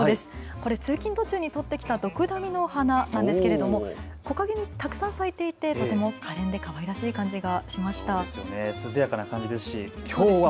これ通勤途中に撮ってきたドクダミの花なんですけども木陰にたくさん咲いていてとてもかれんな感じで。